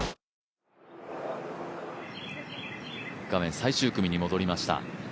画面は最終組に戻りました。